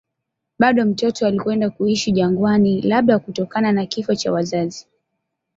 Bado mtoto alikwenda kuishi jangwani, labda kutokana na kifo cha wazazi.